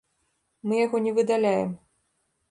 Мы яго не выдаляем.